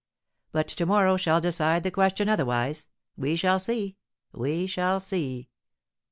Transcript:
But to morrow shall decide the question otherwise, we shall see, we shall see."